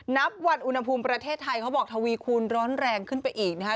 นับวันอุณหภูมิประเทศไทยเขาบอกทวีคูณร้อนแรงขึ้นไปอีกนะคะ